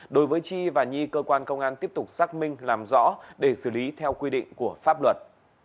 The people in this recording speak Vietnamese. đối với chi và nhi cơ quan công an tiếp tục xác minh làm rõ để xử lý theo quy định của pháp luật